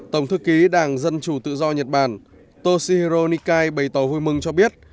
tổng thư ký đảng dân chủ tự do nhật bản toshihiro nikai bày tỏ vui mừng cho biết